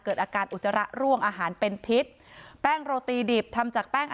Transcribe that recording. เกิดอาการอุจจาระร่วงอาหารเป็นพิษแป้งโรตีดิบทำจากแป้ง